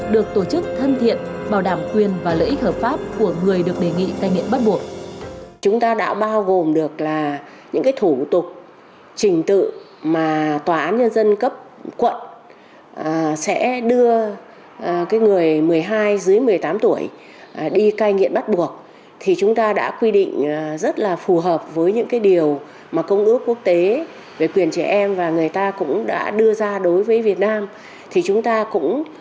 được tổ chức thân thiện bảo đảm quyền và lợi ích hợp pháp của người được đề nghị ca nghiện bắt buộc